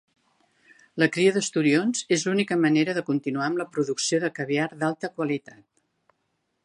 La cria d'esturions és l'única manera de continuar amb la producció de caviar d'alta qualitat.